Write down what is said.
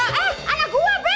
eh anak gue be